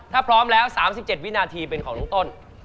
ถ้าพร้อมแล้ว๓๗วินาทีเป็นของน้องต้น